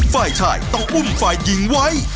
ฝ่ายชายต้องอุ้มฝ่ายหญิงไว้